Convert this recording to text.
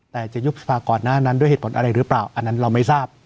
แต่จะยุบสภาก่อนหน้านั้นด้วยเหตุผลอะไรหรือเปล่าอันนั้นเราไม่ทราบ